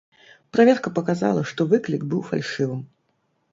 Праверка паказала, што выклік быў фальшывым.